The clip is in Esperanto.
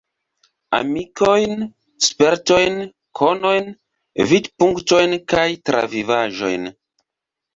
Amikojn, spertojn, konojn, vidpunktojn kaj travivaĵojn.